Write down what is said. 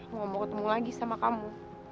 mau ketemu lagi sama kamu